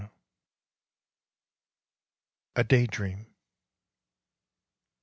A Day Dream.